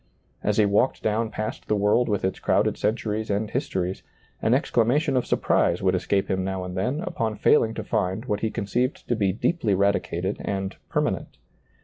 As he walked down past the world with its crowded centuries and histories, an exclamation of surprise would escape him now and then upon failing to find what he conceived to be deeply radicated and permanent.